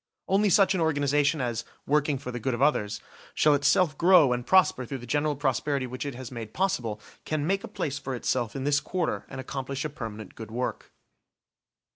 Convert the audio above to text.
Only such an organisation, as, working for the good of others, shall itself grow and prosper through the general prosperity which it has made possible, can make a place for itself in this quarter and accomplish a permanent good work.